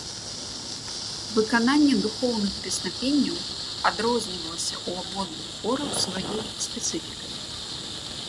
Выкананне духоўных песнапенняў адрознівалася ў абодвух хораў сваёй спецыфікай.